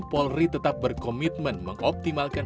polri tetap berkomitmen mengoptimalkan